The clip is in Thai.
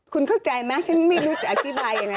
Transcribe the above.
คุณเข้าใจไหมฉันไม่รู้จะอธิบายยังไง